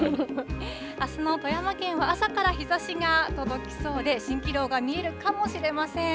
あすの富山県は朝から日ざしが届きそうで、しんきろうが見えるかもしれません。